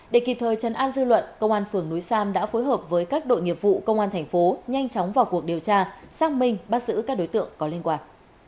để kịp thời chân an dư luận công an phường núi sam đã phối hợp với các đội nghiệp vụ công an thành phố nhanh chóng vào cuộc điều tra xác minh bắt giữ các đối tượng có liên quan